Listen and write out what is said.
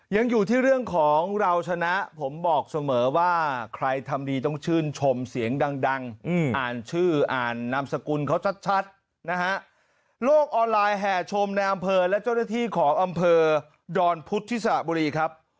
ยังอยู่ที่เรื่องของเราชนะผมบอกเสมอว่าใครทำดีต้องชื่นชมเสียงดังอ่านชื่ออ่านนามสกุลเขาชัดนะฮะโลกออนไลน์แห่ชมในอำเภอและเจ้าหน้าที่ของอำเภอดอนพุทธที่สระบุรีครับ